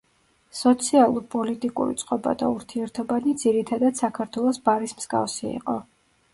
სოციალურ-პოლიტიკური წყობა და ურთიერთობანი ძირითადად საქართველოს ბარის მსგავსი იყო.